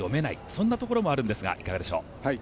そんなところもあるんですがいかがでしょう？